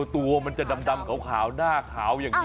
ตัวมันจะดำขาวหน้าขาวอย่างนี้